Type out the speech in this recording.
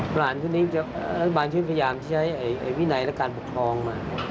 บางช่วงพยายามที่จะใช้วินัยและการปกครอง